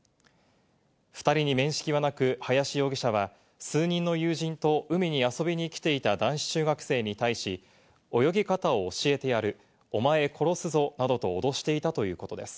２人に面識はなく、林容疑者は数人の友人と海に遊びに来ていた男子中学生に対し、泳ぎ方を教えてやる、おまえ殺すぞなどと脅していたということです。